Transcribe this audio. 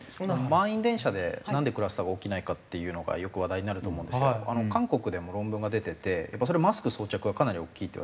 満員電車でなんでクラスターが起きないかっていうのがよく話題になると思うんですけど韓国でも論文が出ててマスク装着はかなり大きいっていわれてるんですよね。